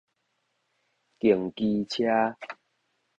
競技車